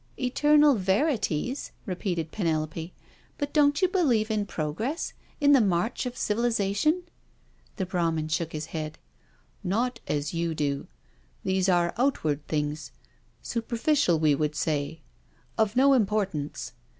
"Eternal verities?" repeated Penelope, "but don't you believe in progress, in the march of civilisation?" The Brahmin shook his head: " Not as you do. These are outward things — super ficial we would say — of no importance.